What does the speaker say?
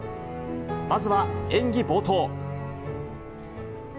まずは演技冒頭。